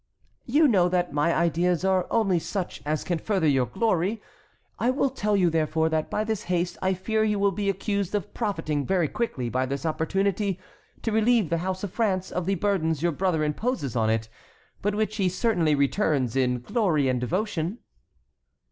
"You know that my ideas are only such as can further your glory. I will tell you, therefore, that by this haste I fear you will be accused of profiting very quickly by this opportunity to relieve the house of France of the burdens your brother imposes on it, but which he certainly returns in glory and devotion."